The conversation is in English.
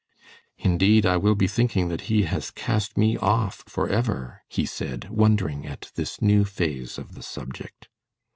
"Indeed, I will be thinking that He has cast me off forever," he said, wondering at this new phase of the subject.